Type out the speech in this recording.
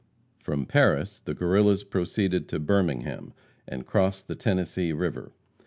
From Paris the Guerrillas proceeded to Birmingham, and crossed the Tennessee river.